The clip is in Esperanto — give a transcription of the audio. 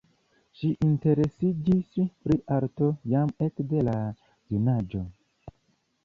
Ŝi interesiĝis pri arto jam ekde la junaĝo.